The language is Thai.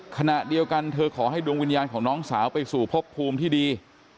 ขณะเดียวกันเธอขอให้ดวงวิญญาณของน้องสาวไปสู่พบภูมิที่ดี